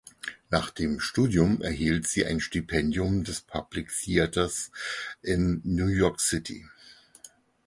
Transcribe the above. Nach dem Studium erhielt sie ein Stipendium des "Public Theaters" in New York City.